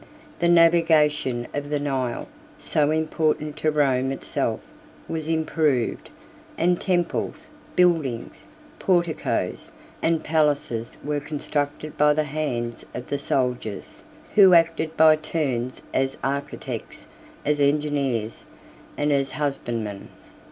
The navigation of the Nile, so important to Rome itself, was improved; and temples, buildings, porticos, and palaces, were constructed by the hands of the soldiers, who acted by turns as architects, as engineers, and as husbandmen.